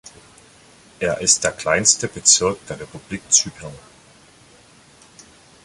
Er ist der kleinste Bezirk der Republik Zypern.